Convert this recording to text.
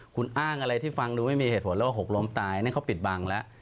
คุณอ้างอะไรที่ฟังดูไม่มีเหตุผลแล้วว่าหกล้มตายนั่นเขาปิดบังแล้ว